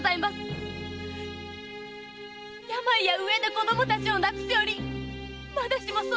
〔病や飢えで子供たちを亡くすよりまだしもその方が〕